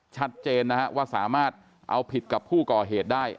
ชัดเจนนะฮะว่าสามารถเอาผิดกับผู้ก่อเหตุได้